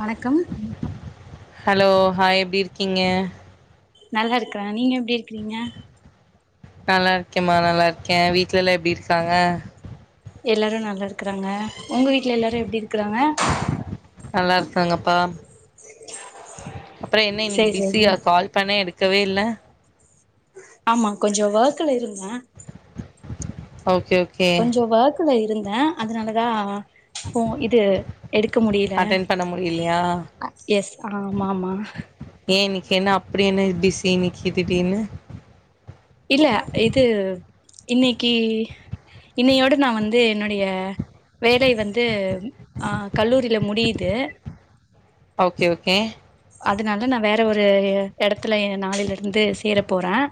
வணக்கம் hello hi எப்டி இருக்கீங்க நல்லா இருக்கேன் நீங்க எப்டி இருக்கிறீங்க ஆஹ் நல்லாருக்கேம்மா நல்லா இருக்கேன் வீட்ல எல்லாம் எப்டி இருக்காங்க எல்லாரும் நல்லா இருக்குறாங்க உங்க வீட்டுல எல்லாரும் எப்டி இருக்குறாங்க நல்லா இருக்குறாங்கப்பா அப்றம் என்ன சேரி இன்னிக்கு சேரி பிஸியா கால் பண்ணா எடுக்கவே எடுக்கவே இல்ல ஆம்மா கொஞ்சோ வோர்க்கெல இருந்தே ஓகே ஓகே கொஞ்சோ வார்க்குல இருந் தேன் அதனாலதான் ஃபோ இது எடுக்க முடியில அட்டன் பண்ண முடியலையா எஸ் ஆமா மா மா என்னா அப்பிடியென்ன பிஸி இன்னிக்கி திடீர்னு இல்ல இது இன்னிக்கி இன்னையோட நா வந்து என்னுடைய வேலை வந்து ஆஹ் கல்லூரியில முடியுது ஓகே ஓகே அதனால நா வேற ஒரு எ எடத்துலயேன் நாளேலிருந்து சேரப் போறேன்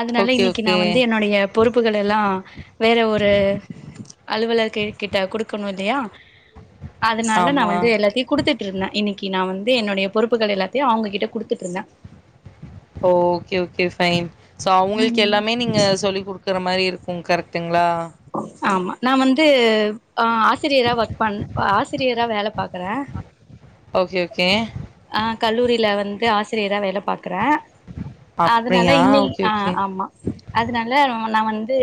அதனால ஓகே இன்னிக்கி நா ஓகே வந்து என்னுடைய பொறுப்புகளெல்லாம் வேற ஒரு அலுவலர்கே கிட்ட குடுக்கணு இல்லியா அதுனால நா ஆமா வந்து எல்லாத்தியு குடுத்துட்ருந்தே இன்னிக்கி நா வந் தே என்னோடைய பொறுப்புகள் எல்லாத்தியு அவ்ங்ககிட்ட குடுத்துட்ருந்தே சோ அவ்ங்களுக்கு எல்லாமே நீங்க சொல்லி குடுக்குற மாரி இருக் ம் கரெக்ட்டுங்ளா ஆமா நா வந்து ஆ ஆசிரியரா ஒர்க் பண் ஆ ஆசிரியரா வேல பாக்கற ஓகே ஓகே ஆ கல்லூரில வந் து ஆசிரியரா வேல பாக் கற அதுனால அப்டியா இன்னைக் ஓகே ஆ ஓகே ஆமா அதுனால நா வந்து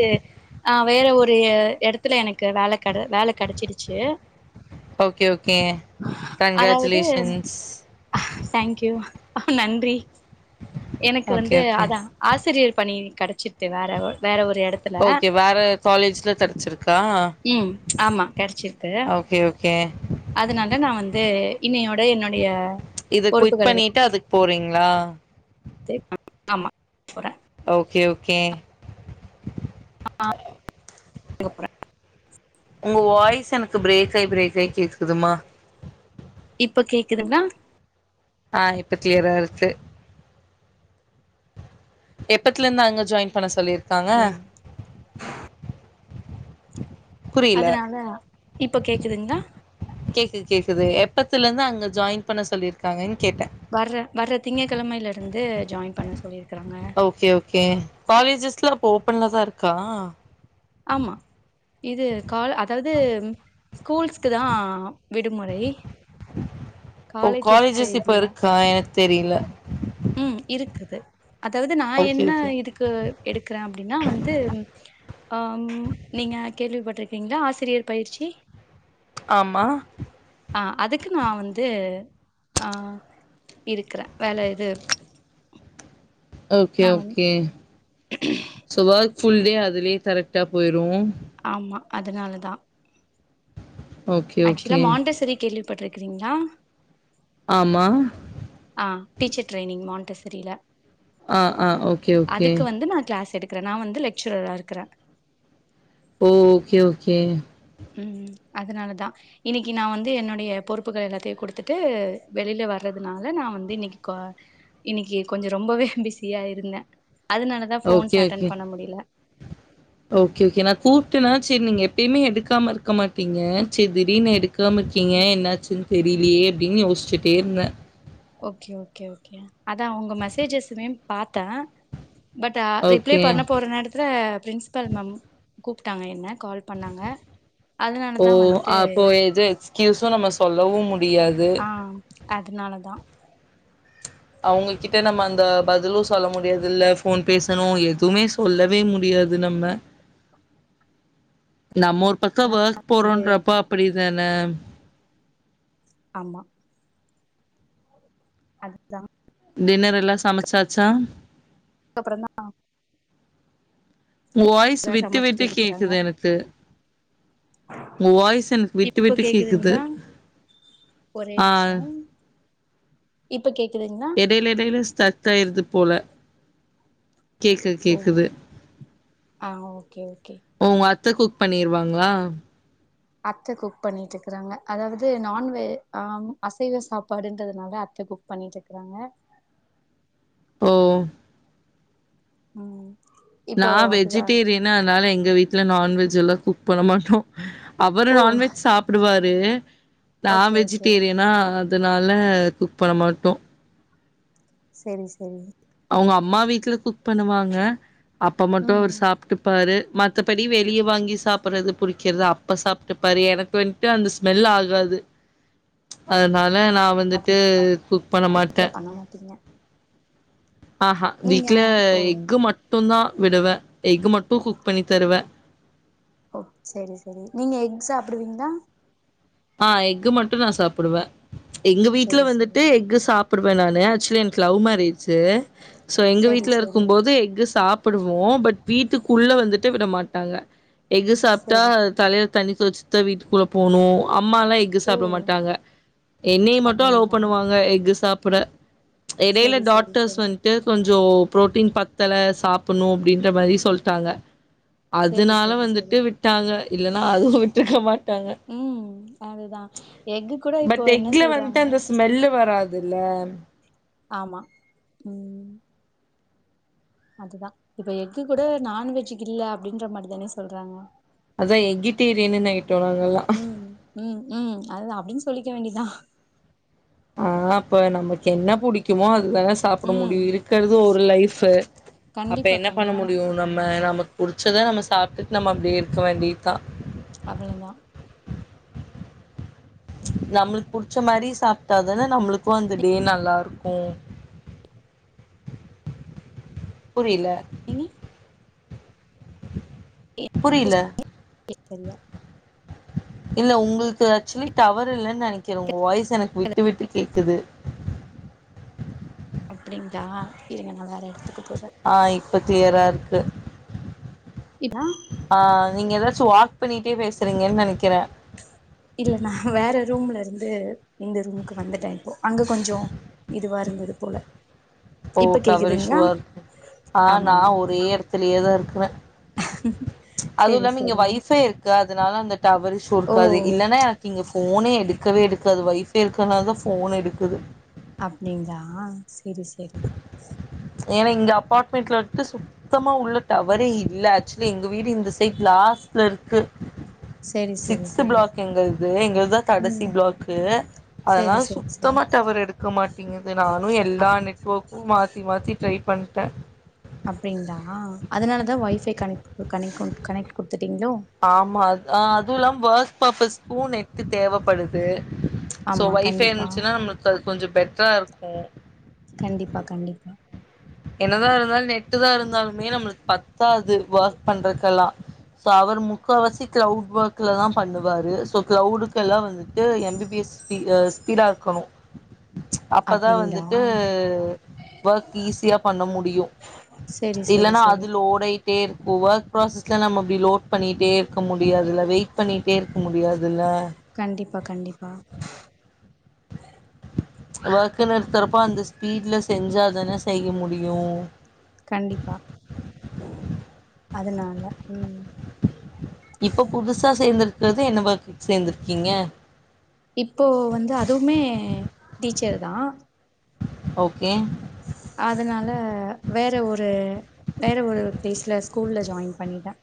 ஆ வேற ஒரு எ எடத்துல எனக் கு வேல கெட வேல கெடச்சிடிச்சு ஓகே ஓகே அதாவுது கங்ராச்சுலேஷன்ஸ் தேங்க்யூ நன்றி எனக்கு ஓகே வந்து ஓகே. அதா ஆசிரியர் பணி கெடச்சி ருச்சு வேற வேற ஒரு எடத்துல ஓகே வேற காலேஜ்ல கெடச்சிருக்கா ம் ஆமா கெடச்சிருக்கு ஓகே ஓகே அதனால நா வந்து இன்னையோட என்னுடைய இத குவிட் பொறுப்புகள் எல்லா பண்ணிட்டு அதுக்கு போறீங்களா? தை ஆமா போற ஓகே ஓகே க போற உங்க வாய்ஸ் எனக்கு பிரேக் ஆயி பிரேக் ஆயி கேக்குதும்மா இப்ப கேக்குதுங்ளா ஆ இப்ப கிளியரா இருக்கு எப்பத்துலருந்து அங்க ஜாயின் பண்ண சொல்லிரு க்காங்க ம் புரியல. அதனால இப்ப கேக்குதுங்ளா கேக்குது கேக்குது எப்பத்தலுருந்து அங்க ஜாயின் பண்ண சொல்லிருக்காங்கன் கேட்ட வர்ற வர்ற திங்ககெழமைல இருந்து ஜாயின் பண்ண சொல்லிரு ஓகே ஓகே காலேஜஸ்லா இப்ப ஓப்பன்லதா இருக்கா ஆமா இது கால அதாது ஸ்கூல்ஸ்க்குதா விடுமுறை காலேஜஸ்கு இல்ல தெரில ம் இருக் [unintelligible] அதாவது நா ஓகே என்ன ஓகே. இதுக்கு எடுக்கறே அப்டினா வந்து ஆ நீங்க கேள்விப்பட்ட எந்த ஆசிரியர் பயிற்சி ஆமா ஆ அதுக்கு நா வந்து ஆ இருக்குறே வேல இது ஓகே நா வந்து ஓகே [unintelligible] ஃபுல்டே அதுலே கரெக்டா போயிரு ஆமா அதனாலதா ஓகே ஓகே பட்ருக்கிறீங்களா ஆமா அ டீச்சர் ட்ரைனிங் மாண்ட்டசரில ஆ ஆ ஓகே ஓகே ருக்கறே நா வந்து லெக்சுரராருக்கிறே ஓ ஓகே ஓகே ம் அதனாலதா இன்னைக்கு நா வந்து என்னுடைய பொறுப்புகள் எல்லாத்தையு குடுத்துட்டு வெளில வர்றதுனால நா வந்து இன்னைக்கு இன்னைக்கு கொஞ்சோ ரொம்பவே பிஸியா இருந்தே அதனாலதா ஃபோன்ஸ் ஓகே அட்டன் ஓகே பண்ண முடியல ஓகே ஓகே நா கூப்பட்டன ச்செரி நீங்க எப்பியுமே எடுக்காம இருக்க மாட்டீங்க ச்செரி திடீர்னு எடு காம இருக்கீங்க என்னாச்சுனு தெரிலியே அப்டின் யோசிச்சுட்டேருந்தே ஓகே ஓகே ஓகே அதா உங்க மெசேஜஸமே பாத்தே பட் ஆ ரிப்லே ஓகே பண்ண போற நேரத்துல பிரின்ஸபல் மேம் கூப்ட்டாங்க என்ன கால் பண்ணாங்க ஓ அதனாலதா வந்துட்டு அப்போ எது எக்ஸ்கயூஸு நம்ம சொல்லவு மு முடியாது அதனால தா அவங்ககிட்ட நம்ம அந்த பதிலு சொல்ல முடியாது இல்ல ஃபோன் பேசணு எதுமே சொல்லவே முடியாது நம்ம நம்ம ஒரு பக்கம் ஓர்க் வந்து போறோன்றப்போ அப்டிதான ன ஆமா அதுதா டின்னரெல்லா சமைச்சாச்சா கப்ற தா உங்க வாய்ஸ் விட்டு சமைச்சிட்டு விட்டு இருக்கறாங்க கேக்குது எனக்கு உ வாய்ஸ் எனக்கு விட்டு இப்ப விட்டு கேக்குது கேக்குதுங்களா ஒரே ஆ நிமிஷோ இப்ப கேக்குதுங்களா எடைல எடைல ஸ்டக்காயிருது போல கேக்குது ஓ கேக்குது ஆ ஓகே ஓகே குக் பண்ணிருவாங்களா அத்த குக் பண்ணிட்டு இருக்கிறாங்க அதாவது நான்வெ ஆஹ் அசைவ சாப்பாடுன்றதுனால அத்த குக் பண்ணிட்டு இருக்குறாங்க ஓ உம் நான் வெஜிடேரியனா அதனால எங்க எங்க வீட்டுல நான்வெஜ் எல்லா குக் பண்ண மாட்டோம் ஓ அவரும் நான்வெஜ் சாப்புடுவாரு நான் ஓகே ஓகே வெஜிடேரியனா அதனால குக் பண்ண மாட்டோ சேரி சேரி உங்க அம்மா வீட்டுல குக் பண்ணுவாங்க அப்போ மட்டும் அவர் ம் சாப்ட்டு பாரு மத்தப்படி வெளியே வாங்கி சாப்புட்றது புடிக்கறது அப்ப சாப்ட்டு பாரு எனக்கு வந்துட்டு அந்த ஸ்மெல் ஆகாது அதனால நா அப்டி வந்துட்டு குக் பண்ண வீட்ல மாட்டே பண்ண மாட்டீங்க ஆ ஹா நீங்க வீட்டுல ஓ எக் மட் மட்டும் தா விடுவே எக் மட்டும் குக் பண்ணி தருவே ஓ செரி சேரி நீங்க எக் சாப்புடுவீங்களா ஆஹ் எக்கு மட்டு நா சாப்புடுவே எங்க வீட்டுல செரி செரி வந்துட்டு எக்கு சாப் சாப்புடுவே நானு ஆக்சுவலி எனக்கு லவ் மேரஜ் சோ எங்க செரி வீட்டுல செரி இருக்கும் போது எனக்கு சாப்ப ப்படுவோ பட் வீட்டுக்குள்ள வந்துட்டு விட மாட்டாங்க எக்கு சாப்டா செரி தலைல தண்ணி குளிச்சிட்தா வீட்டுக்குள்ள போணு அம்மாலா எக்கு ஓ சாப்பிட மாட்டாங்க என்னய மட்டு அலோ அப்டிங்களா பண்ணுவாங்க எக்கு சாப் [unintelligible] எடையில செரி செரி டாக்ட்டர்ஸ் செரி வந்துட்டு கொஞ்சோ ப்ரோட்டீன் பத் த்தல சாப்புட்ணு அப்டின்ற மாரி சொல்டாங்க செரி அதனால செரி வந்துட்டு செரி விட்டாங்க இல்லன்னா அதுவு விட்டிருக்க மாட் டாங்க ம் அதுதா எக்கு கூட இப்போ என்ன சொல்றாங்க அதல ஆமா உம் அதுதா இப்ப எக்கு கூட நான்வெஜ் இல்ல அப்டின்ற மாரி தானே சொல்றாங்க அதா எகிட்டேரியனுன் ஆய்ட்டோ நாங்கல்லா ம் ம் ம் அதுதா அப்டின் சொல்லிக்க வேண்டிதா ஆஹ் இப்ப நமக்கு என்ன புடிக்குமோ அ துதான சாப்பட ம் முடியு இருக்கறது ஒரு லைஃபு அப்ப கண்டிப்பா என்ன பண்ண கண்டிப்பா முடியு நம்ம நம புடிச்சத நம்ம சாப்ட்டுட் நம்ம அப்டே இருக்க வேண்டியத்தா அவ்ள தா நம்முளுக் புடிச்ச மாரி சாப்ட்டா தான நம்முளுக்கு அந்த டே நல்லாருக்கூ புரியல [unintelligible] புரில [inaudible] இல்ல உங்குளுக்கு ஏச்சுவலி டவர் இல்லன் நெனைக்கிறே உங்க வாய்ஸ் எனக் விட்டு விட்டு கேக்குது அப்டிங்ளா இருங்க நா வேற எட ஆஹ் இப்ப க்ளியரா இருக்கு இதா ஆஹ் நீங்க எதா சோ வாக் பண்ணிட்டே பேசுறீங்கன் நெனைக்கிறே இல்ல நா வேற ரூம்ல இருந்து இந்த ரூமுக்கு வந்துட்டே இப்போ அங்க கொஞ்சோ இதுவா இருந்தது போல ஓ இப்ப டவர் இஸ்யூ கேக்குதுங்களா வா இருந் அ ஆமா நா ஆமா ஒரே எடத்துலயேதா இரு க்றே ப்ச் அது செரி இல்லாம இங்க செரி வைய்ஃபைருக்கு அ துனால அந்தட் டவர் இஸ்யு ஓ இருக்காது இல்லன்னா எனக்கு இங்க போனே எடுக்கவே எடுக்காது வைஃப் ஃபை இருக்கனால்தா ஃபோன் எடுக்குது அப்டிங்ளா செரி செரிங் ஏனா இங்க அப்பாட்மெண்ட்ல வந்ட்டு சுத்தமா உள்ள டவரே இல்ல ஏச்சுலி எங்க வீடு இந்த ஸ் டேக் லாஸ்ட்ல இருக்கு செரி செரி சிக்ஸ்த் செரி பிளாக் எங்கள்து எங்கள்தா கடசி ம் பிளாக்கு அதனால செரி செரி செரி சுத்தமா டவர் எடு கமாட் இங்கிந்து நானு எல்லா அப் நெட் உ மாத்தி மாத்தி‌ ட்ரை பண்ட்டே அப்டிங்ளா அதனாலதா ஒய்ஃபை கனெக்கு கனெக்கு கனெட்கு ஆமா அத் ஆ அத் துலாம் வொக் பப்பஸ்கு நெட்டு தேவப்படுது சோ ஆமா வைஃபை கண்டிப்பா இந்துச்சுனா நம்ளுக்கு அது கொஞ்சோ பெட்ராருக்கு கண்டிப்பா கண்டிப்பா என்னதா இருந்தாலு நெட்டு தா இருந்தாலுமே நம்மளுக் பத்தாது வொக் பண்றக்கெல்லா சோ அவரு முக்கவாசி கிளவுட் வொக்லதா பண்ணுவாரு சோ கிளவுடுக்கு எல்லா வந்துட்டு எம் பி பி எஸ் பீ எ ஸ்பீடா இர்க்கணு அப்பதா அப்டிங்களா வந்துட்டு வொக் ஈஸியா பண்ண முடியு செரி செரி இல்லேன்னா செரி அது லோடாயிடே இரு ஒவோக் ப்ராசஸ்ல நம்ம அப்டி லோட்பண்ணிட்டே இரு க்க முடியாதுல வெயிட் பண்ணிட்டே இருக்க முடியாதுல்ல கண்டிப்பா கண்டிப்பா வோக்குனு எடுத்துறப்போ அந்த ஸ்பீட்ல செஞ்சாதானே செய்ய முடியு கண்டிப்பா அதனால உம் இப்ப புதுசா சேர்ந்துருக்குறது என்ன வர்க்குக் சேர்ந்திருக்கீங்க இப்போ வந்து அதுவுமே டீச்சர் தா ஓகே அதனால வேற ஒரு வேற ஒரு பிளேஸ்ல ஸ்கூல்ல ஜாயின் பண்ணிட்டே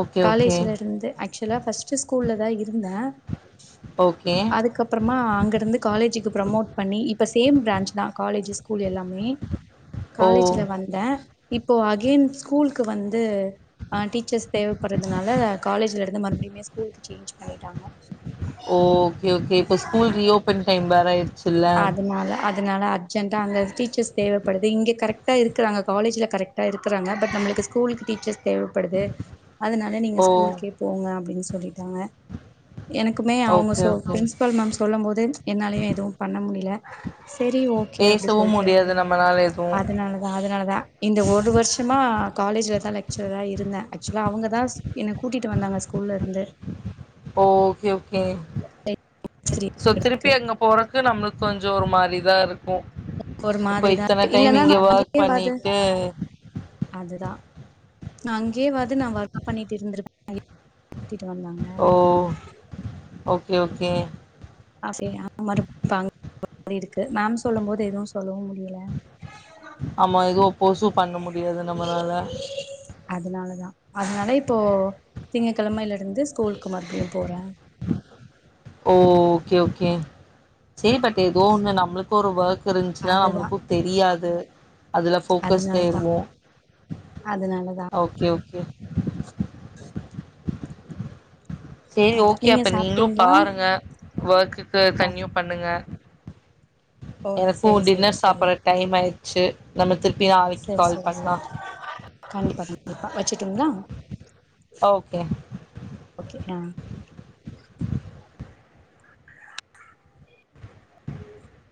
ஓகே ஓகே காலேஜ்ல இருந்து ஆக்சுலா ஃபஸ்ட்டு ஷ்கூல்லதா இருந்தே ஓகே அதுக்கப்புறமா அங்க இருந்து காலேஜுக்கு ப்ரமோட் பண்ணி இப்ப சேம் பிரான்ச் தா காலேஜுச் ஸ்கூல் எல்லாம் மே ஓ காலேஜ்ல வந்தே இப்போ அகைன் ஸ்கூல்கு வந்து அ டீச்சர்ஸ் தேவைப்படுறதுனால காலேஜ்ல இருந்து மறுபடியுமே ஸ்கூலுக்கு சேஞ்ச் பண்ணிட்டாங்க ஓகே ஓகே இப்ப ஸ்கூல் ரீஓபன் டைம் வேற ஆயிடுச் அதனால அதனால அர்ஜென்டா அங்க டீச்சர்ஸ் தேவப்படுது இங்கே கரெக்டா இருக்குறாங்க காலேஜ்ல கரெக்டா இருக்குறாங்க பட் நம்மளுக்கு ஸ்கூலுக்கு டீச்சர்ஸ் தேவேப்படுது அதனால நீங்க ஓ ஸ்கூலுக்கே போங்க அப்டின்ச் சொல்லிட்டாங்க எனக்குமே அவங்க ஓகே சோ ஓகே பிரின்சிபல் மேம்ச் சொல்லும்போது என்னாலயு எதுவு பண்ண முடியில சரி ஓகே அப்டி பேசவு சொல்ட்டு முடியாது நம்மளால எதுவு அதுனாலதா அதுனாலதா இந்த ஒரு வருஷமா காலேஜ்ல தா லெக்சரரா இருந்தே ஆக்சுவலா அவங்கதாச் என்ன கூட்டிட்டு வந்தாங்க ஸ்கூ ல்ல இருந்து ஓகே ஓ கே சோ திருப்பி அங்க போறக்கு நம்ம கொஞ்சொ ஒரு மாரிதா இருக் கோ ஒரு இப்போ மாதிரிதா இத்தன டைம் இல்லன்னா நா இங்கே ஒர்க் அங்கேயேவாது பண்ணிட்டு நா அங்கேவாது நா ஒர்க் பண்ணிட்டு இருந்திருப்பே கூடிட்டு வந்தாங்க ஓ ஓகே ஓகே அ சரி அ மரு [inaudible] இருக்கு மேம் சொல்லும் போது எதுவுச் ஆமா எதுவு போசு பண்ண முடியாது நம்மனால அதுனாலதா அதுனால இப்போ திங்க கெழமையில இருந்துச் ஸ்கூலுக்கு மத்தியோ போறே ஓஹ் ஓகே ஓகே சேரி பட் ஏதோ ஒன்னு நம்மளுக்கு ஒரு ஒர்க் இருந்துச்சுனா அதுதான் நம்மளுக்கு தெரியாது அதுல ஃபோக்கஸ்டா அதனாலதான் ஆயிருவோ அதனாலதான் ஓகே ஓ ஓ செரி அதான் ஓகே நீங்க அப்ப நீங்களூ சாப்பிட்டீங்களா பாருங்க ஒர்க்குக்கு க- கன்டினீவ் பண்ணுங்க ஓ எனக்கூ சரி சரி டின்னர் சாப்பிட்ற டைம் ஆயிரு செ நம்ம திரு செரி செரி செரி கண்டிப்பா கண்டிப்பா வச்சு டுங்ளா ஓகே ஓகே ஆ [unintelligible]